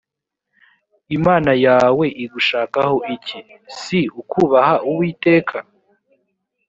imana yawe igushakaho iki si ukubaha uwiteka